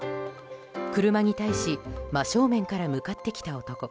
車に対し真正面から向かってきた男。